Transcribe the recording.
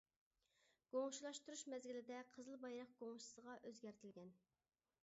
گۇڭشېلاشتۇرۇش مەزگىلىدە، قىزىل بايراق گۇڭشېسىغا ئۆزگەرتىلگەن.